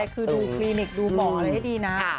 คือดูคลินิกมาดูป่อให้ดีนะ